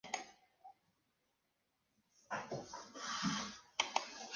Además del cine hizo una exitosa carrera en televisión, radio y teatro.